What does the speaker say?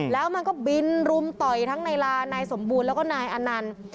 แล้วมันก็บินรุมต่อยทั้งนายลานายสมบูรณ์แล้วก็นายอนันต์